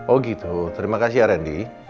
oh gitu terima kasih ya randy